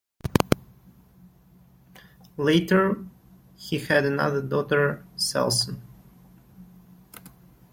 Later he had another daughter, Selcen.